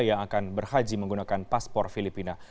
yang akan berhaji menggunakan paspor filipina